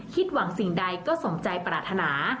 หวังสิ่งใดก็สมใจปรารถนา